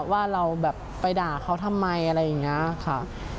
ว่าเราแบบไปด่าเขาทำไมอะไรอย่างนี้ค่ะ